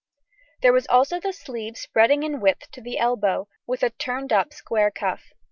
There was also the sleeve spreading in width to the elbow, with a turned up square cuff.